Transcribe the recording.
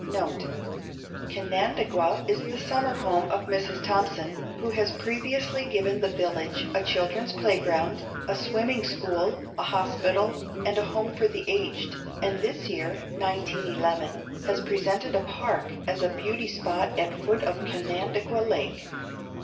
Note: Canandaigua is the summer home of Mrs. Thompson, who has previously given the village a children's playground, a swimming school, a hospital and a home for the aged, and this year (1911) has presented a park as a beauty spot at foot of Canandaigua Lake.